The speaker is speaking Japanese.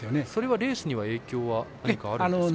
レースには影響はあるんですか？